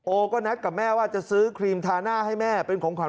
นัดกับแม่ว่าจะซื้อครีมทาหน้าให้แม่เป็นของขวัญ